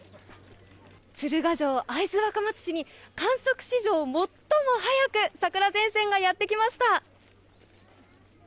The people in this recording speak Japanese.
鶴ヶ城、会津若松市に観測史上最も早く桜前線がやってきました。